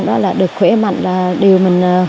đó là được khỏe mạnh là điều mình